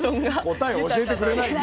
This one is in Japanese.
答え教えてくれないんだ。